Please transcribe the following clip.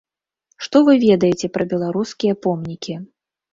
Што вы ведаеце пра беларускія помнікі?